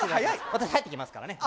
私入ってきますからね